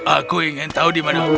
aku ingin tahu di mana